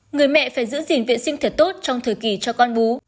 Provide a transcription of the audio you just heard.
người mẹ phải giữ gìn vệ sinh thật tốt trong thời kỳ cho con bú